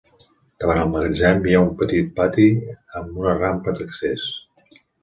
Davant el magatzem hi ha un petit pati amb una rampa d'accés.